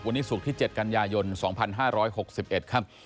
วันนี้ศุกร์ที่๗กันยายน๒๕๖๑ครับ